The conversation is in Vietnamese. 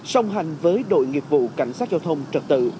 song hành với đội nghiệp vụ cảnh sát giao thông trật tự